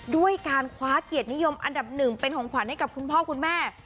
ด้วยการคว้าเกียรตินิยมอันดับหนึ่งเป็นของขวัญให้กับคุณพ่อคุณแม่